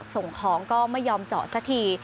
ส่งของก็ไม่ยอมเจาะสักที